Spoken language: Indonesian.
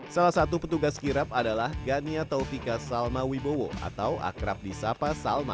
salah satu petugas kirap adalah gania taufika salma wibowo atau akrab di sapa salma